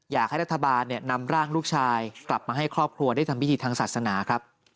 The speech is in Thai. อยากให้รัฐบาลนำร่างลูกชายกลับมาให้ครอบครัวได้ทำพิธีทางศาสนาครับ